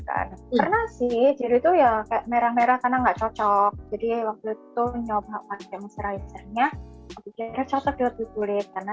dan juga menemukan yang cocok dengan jenis kulitnya